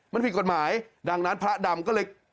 มันผิดกฎหมายดังนั้นพระดำก็เลย